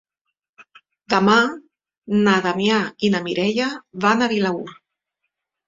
Demà na Damià i na Mireia van a Vilaür.